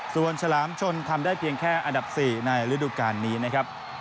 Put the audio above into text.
ส่วนฉลามชนทำได้เพียงแค่อันดับ๔ในฤดูการนี้นะครับ